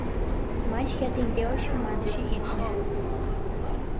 mas que atendeu aos chamados de Hitler